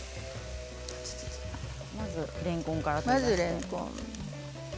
まずれんこんからなんですね。